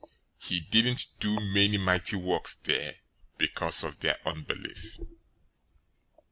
013:058 He didn't do many mighty works there because of their unbelief.